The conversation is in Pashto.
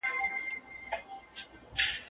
څوك به بولي له اټكه تر مالانه